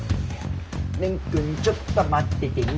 蓮くんちょっと待っててね。